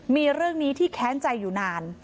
มีเรื่องนี้ที่แค้นใจอยู่นาน